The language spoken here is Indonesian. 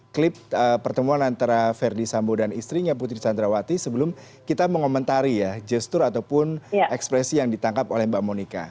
klip pertemuan antara verdi sambo dan istrinya putri candrawati sebelum kita mengomentari ya gestur ataupun ekspresi yang ditangkap oleh mbak monika